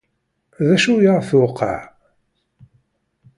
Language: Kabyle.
D acu i aɣ-tewqeɛ !